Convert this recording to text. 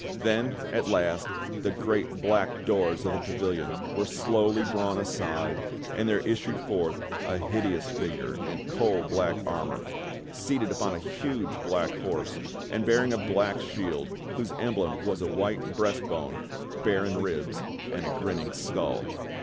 Then, at last, the great black doors of the pavilion were slowly drawn aside and there issued forth 50 THE STORY OF KING ARTHUR a hideous figure in coal black armor, seated upon a huge black horse, and bearing a black shield whose emblem was a white breast bone, barren ribs, and a grinning skull.